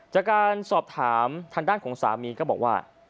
จากการสอบถามทางด้านของสามีก็บอกว่า